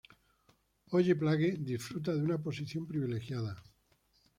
Oye-Plage disfruta de una posición privilegiada.